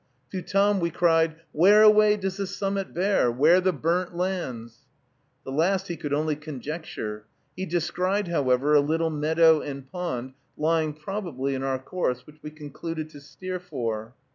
To Tom we cried, "Where away does the summit bear? where the burnt lands?" The last he could only conjecture; he descried, however, a little meadow and pond, lying probably in our course, which we concluded to steer for.